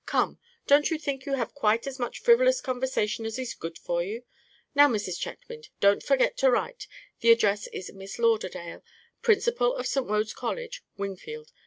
Come, don't you think you have had quite as much frivolous conversation as is good for you? Now, Mrs. Chetwynd, don't forget to write. The address is Miss Lauderdale, Principal of St. Wode's College, Wingfield.